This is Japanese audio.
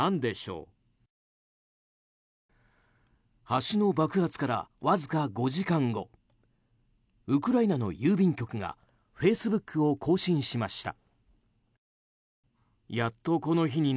橋の爆発からわずか５時間後ウクライナの郵便局がフェイスブックを更新しました。